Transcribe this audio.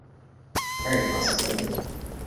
Very possibly.